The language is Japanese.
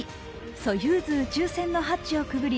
ソユーズ宇宙船のハッチをくぐり